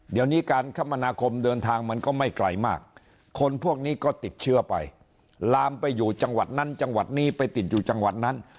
เดี๋ยวนี้การคมนาคมเดินทางมันก็ไม่ไกลมากคนพวกนี้ก็ติดเชื้อไปลามไปอยู่จังหวัดนั้นจังหวัดนี้ไปติดอยู่จังหวัดนั้น